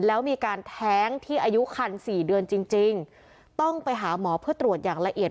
แล้วมีการแท้งที่อายุคัน๔เดือนจริงจริงต้องไปหาหมอเพื่อตรวจอย่างละเอียด